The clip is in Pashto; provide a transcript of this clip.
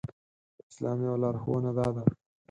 د اسلام يوه لارښوونه دا ده.